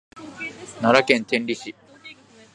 奈良県天理市